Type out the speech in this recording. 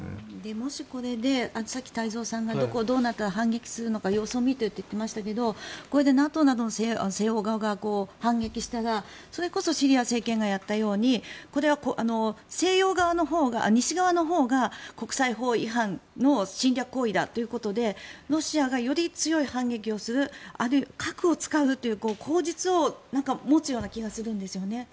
もしこれでさっき太蔵さんが言ったどうなったら反撃するのか様子を見ていると言っていましたけどこれでＮＡＴＯなどの西欧側が反撃したらそれこそシリアの政権がやったようにこれは西側のほうが国際法違反の侵略行為だということでロシアが、より強い反撃をするあるいは核を使うという口実を持つような気がするんです。